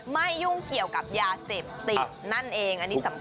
ยุ่งเกี่ยวกับยาเสพติดนั่นเองอันนี้สำคัญ